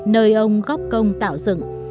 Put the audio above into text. nơi ông góp công tạo dựng